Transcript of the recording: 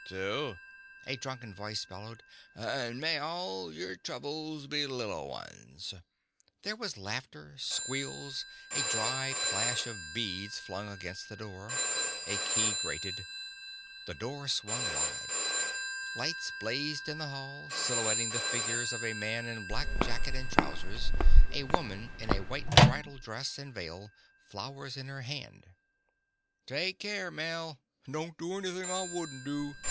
"All right, you two," a drunken voice bellowed. "And may all your troubles be little ones." There was laughter, squeals, a dry clash of beads flung against the door. A key grated. The door swung wide. Lights blazed in the hall, silhouetting the figures of a man in black jacket and trousers, a woman in a white bridal dress and veil, flowers in her hand. "Take care, Mel!" "... do anything I wouldn't do!"